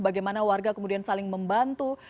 bagaimana warga kemudian saling membantu